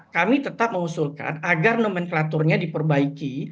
kami tetap mengusulkan agar nomenklaturnya diperbaiki